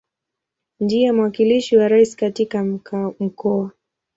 Ndiye mwakilishi wa Rais katika Mkoa.